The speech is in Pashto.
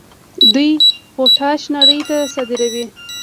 دوی پوټاش نړۍ ته صادروي.